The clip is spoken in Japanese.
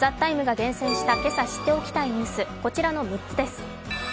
「ＴＨＥＴＩＭＥ，」が厳選したけさ知っておきたいニュースこちらの３つです。